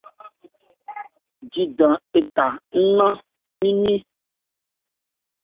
Jidan étha ńcɔn mímí.